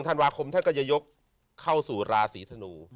ธันวาคมท่านก็จะยกเข้าสู่ราศีธนู